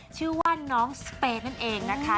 ชื่อว่าน้องสเปนนั่นเองนะคะ